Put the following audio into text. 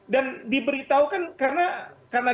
dan diberitahu kan karena